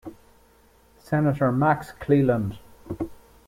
Senator Max Cleland.